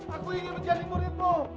aku ingin menjadi muridmu